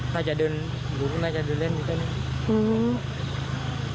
น่าจะเดินหรือน่าจะเดินเล่นอยู่แบบนี้